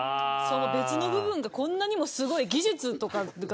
別の部分がこんなにも、すごい技術とか。